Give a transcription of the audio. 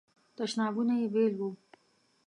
تشنابونه یې بیل وو.